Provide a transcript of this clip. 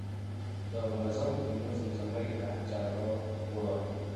د منظومو کلمو زمزمه یې د هر چا زړه وړه.